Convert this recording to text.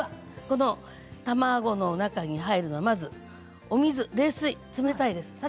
この卵の中に入るのはお水冷水、冷たいです。